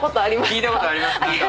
聞いたことありますか？